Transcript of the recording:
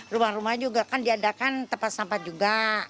rumah rumah juga kan diadakan tempat sampah juga